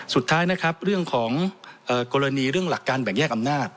สุดท้ายนะครับเรื่องของกรณีเรื่องหลักการแบ่งแยกอำนาจ